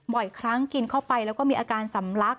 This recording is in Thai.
บ่อยครั้งกินเข้าไปแล้วก็มีอาการสำลัก